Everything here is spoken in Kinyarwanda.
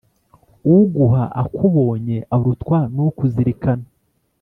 Uguha akubonye arutwa n’ukuzirikana